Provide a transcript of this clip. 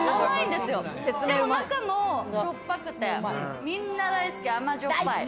でも中もしょっぱくて、みんな大好き、甘じょっぱい。